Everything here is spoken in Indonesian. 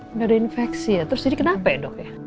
tidak ada infeksi ya terus ini kenapa dok ya